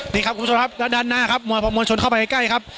นี่ครับคุณผู้ชมครับแล้วด้านหน้าครับมวยพอมวลชนเข้าไปใกล้ครับ